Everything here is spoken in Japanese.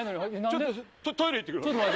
ちょっとトイレ行って来るわ。